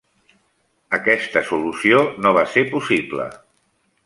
Aquesta solució no va ser possible.